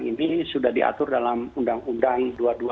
ini sudah diatur dalam undang undang dua puluh dua dua ribu sembilan